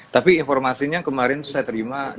tapi informasinya kemarin saya terima